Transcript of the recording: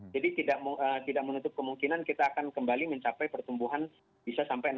jadi tidak menutup kemungkinan kita akan kembali mencapai pertumbuhan bisa sampai enam tujuh persen